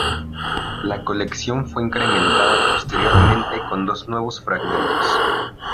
La colección fue incrementada posteriormente con dos nuevos fragmentos.